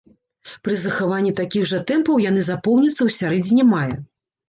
Пры захаванні такіх жа тэмпаў яны запоўняцца ў сярэдзіне мая.